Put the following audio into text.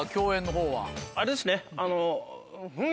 あれですねあの。